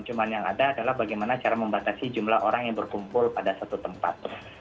cuma yang ada adalah bagaimana cara membatasi jumlah orang yang berkumpul pada satu tempat